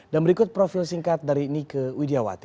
dan berikut profil singkat dari nike widjawati